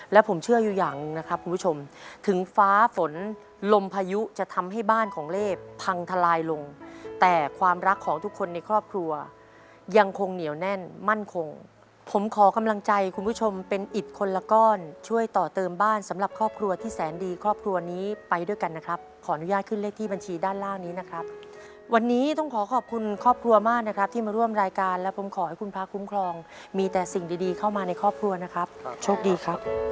และผมเชื่ออยู่อย่างนะครับคุณผู้ชมถึงฟ้าฝนลมพายุจะทำให้บ้านของเล่บพังทลายลงแต่ความรักของทุกคนในครอบครัวยังคงเหนียวแน่นมั่นคงผมขอคำลังใจคุณผู้ชมเป็นอิตคนละก้อนช่วยต่อเติมบ้านสำหรับครอบครัวที่แสนดีครอบครัวนี้ไปด้วยกันนะครับขออนุญาตขึ้นเลขที่บัญชีด้านล่างนี้นะครับวันนี้ต้องขอข